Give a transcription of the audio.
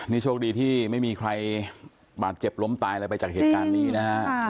นี่โชคดีที่ไม่มีใครบาดเจ็บล้มตายอะไรไปจากเหตุการณ์นี้นะฮะ